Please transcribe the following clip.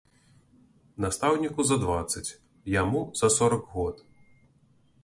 Настаўніку за дваццаць, яму за сорак год.